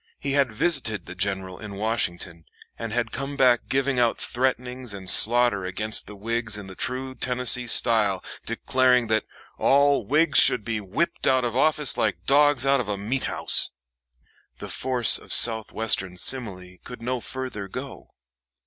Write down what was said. He had visited the General in Washington, and had come back giving out threatenings and slaughter against the Whigs in the true Tennessee style, declaring that "all Whigs should be whipped out of office like dogs out of a meat house"; the force of south western simile could no further go.